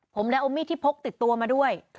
ผมเลยเอามีดที่พกติดตัวมาด้วย